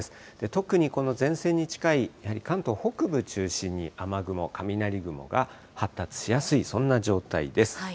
特に、この前線に近い、関東北部中心に雨雲、雷雲が発達しやすい、そんな状態です。